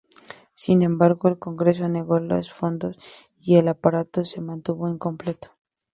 Sin embargo, el Congreso negó los fondos, y el aparato se mantuvo incompleto.